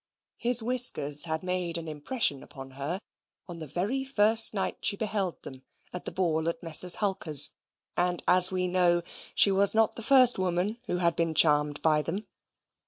His whiskers had made an impression upon her, on the very first night she beheld them at the ball at Messrs. Hulkers; and, as we know, she was not the first woman who had been charmed by them.